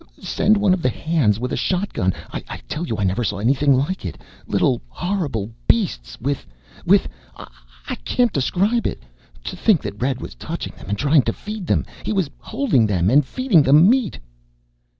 Send one of the hands with a shotgun. I tell you I never saw anything like it. Little horrible beasts with with I can't describe it. To think that Red was touching them and trying to feed them. He was holding them, and feeding them meat."